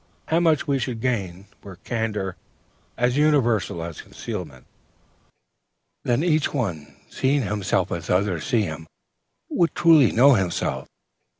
How much we should gain, were candor as universal as concealment! Then each one, seeing himself as others see him, would truly know himself.